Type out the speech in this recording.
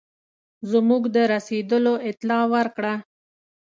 زموږ د رسېدلو اطلاع ورکړه.